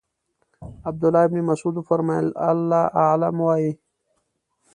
عبدالله ابن مسعود وفرمایل الله اعلم وایئ.